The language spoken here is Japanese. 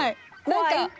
何か。